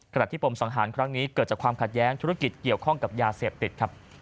ขณะที่ปมสังหารครั้งนี้เกิดจากความขัดแย้งธุรกิจเกี่ยวข้องกับยาเสพติดครับ